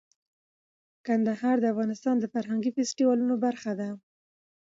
کندهار د افغانستان د فرهنګي فستیوالونو برخه ده.